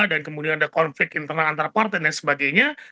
dan kemudian ada konflik internal antar parten dan sebagainya